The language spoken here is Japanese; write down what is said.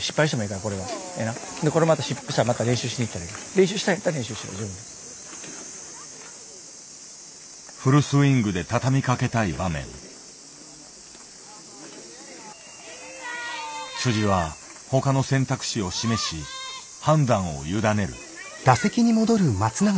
練習したいんやったら練習してフルスイングで畳みかけたい場面。は他の選択肢を示し判断を委ねる。